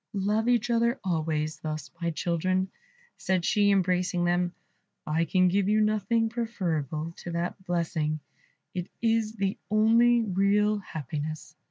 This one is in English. "Love each other always thus, my children," said she, embracing them; "I can give you nothing preferable to that blessing; it is the only real happiness."